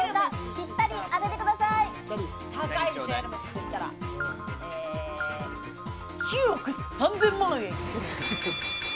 ぴったり当ててくださ９億３０００万円。